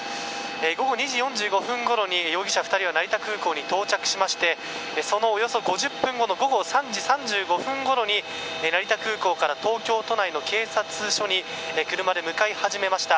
午後２時４５分ごろに容疑者２人は成田空港に到着しましておよそ５０分後の午後３時３５分ごろに成田空港から東京都内の警察署に車で向かい始めました。